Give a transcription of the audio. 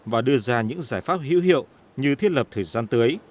và đưa ra những giải pháp hữu hiệu như thiết lập thời gian tới